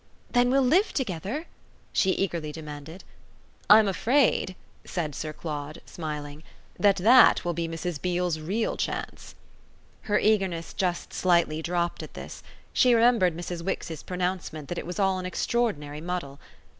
"Then we'll live together?" she eagerly demanded. "I'm afraid," said Sir Claude, smiling, "that that will be Mrs. Beale's real chance." Her eagerness just slightly dropped at this; she remembered Mrs. Wix's pronouncement that it was all an extraordinary muddle.